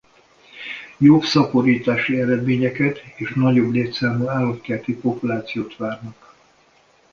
Jobb szaporítási eredményeket és nagyobb létszámú állatkerti populációt várnak.